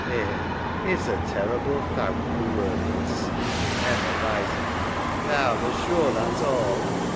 Eh, it's a terrible thowt, the workus, EMMA (rising). Now tha's sure that's all.?